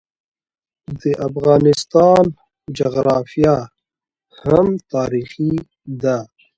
د افغانستان جغرافیه هم تاریخي ده.